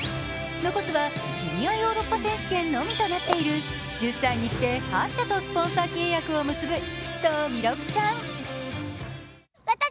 残すはジュニアヨーロッパ選手権のみとなっている１０歳にして８社とスポンサー契約を結ぶ須藤弥勒ちゃん。